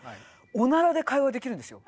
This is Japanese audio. おならで会話できるんですよ。